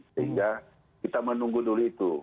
sehingga kita menunggu dulu itu